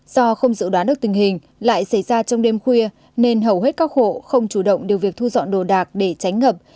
do không dự đoán được tình hình lại xảy ra trong đêm khuya nên hầu hết các hộ không chủ động điều việc thu dọn đồ đạc để tránh ngập